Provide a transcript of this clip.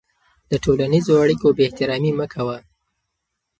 د ټولنیزو اړیکو بېاحترامي مه کوه.